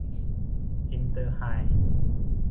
อินเตอร์ไฮด์